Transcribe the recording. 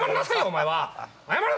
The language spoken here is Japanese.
お前は謝れ！